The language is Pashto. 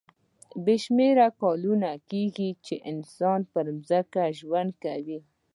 بې شمېره کلونه کېږي چې انسان پر ځمکه ژوند کوي.